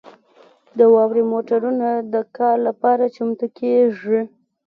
د واورې موټرونه د کار لپاره چمتو کیږي